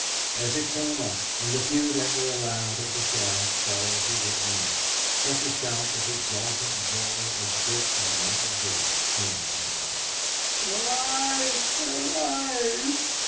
As it came up and the few that were allowed at the shaft saw who were in it, such a shout of exultant joy as Dick had never heard came from them, "They are alive!" "They are alive!"